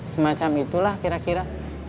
semacam itulah kira kira